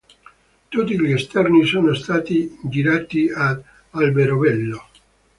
Tutti gli esterni sono stati girati ad Alberobello.